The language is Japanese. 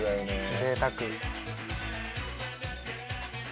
ぜいたく。